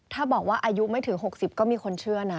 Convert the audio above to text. ถ้าบอกว่าอายุไม่ถึง๖๐ก็มีคนเชื่อนะ